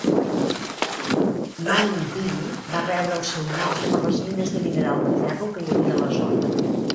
Mineville va rebre el seu nom per les mines de mineral de ferro que hi havia a la zona.